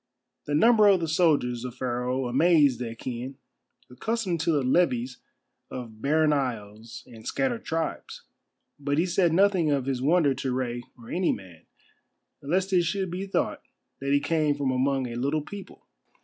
The number of the soldiers of Pharaoh amazed the Achæan, accustomed to the levies of barren isles and scattered tribes. But he said nothing of his wonder to Rei or any man, lest it should be thought that he came from among a little people.